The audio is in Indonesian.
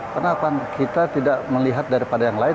karena kita tidak melihat daripada yang lain